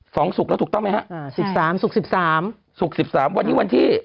สองศูกย์แล้วถูกต้องไหมฮะ๑๓ศูกย์๑๓ศูกย์๑๓วันนี้วันที่